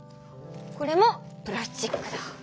これもプラスチックだ。